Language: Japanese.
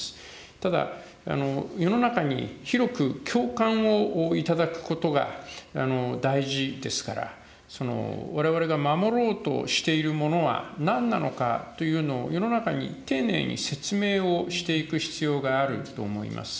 ただ、世の中に広く共感を頂くことが大事ですから、われわれが守ろうとしているものはなんなのかというのを、世の中に丁寧に説明をしていく必要があると思います。